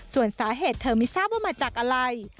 ส่วนสาเหตุเธอไม่ทราบว่ามาจากอะไร